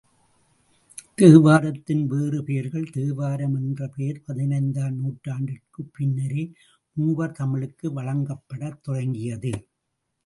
தேவாரத்தின் வேறு பெயர்கள் தேவாரம் என்ற பெயர் பதினைந்தாம் நூற்றாண்டிற்குப் பின்னரே மூவர் தமிழுக்கு வழங்கப்படத் தொடங்கியது.